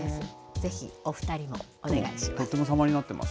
ぜひお２人もお願いします。